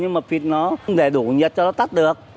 nhưng mà phịt nó không thể đủ nhiệt cho nó tắt được